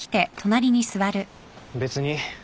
別に。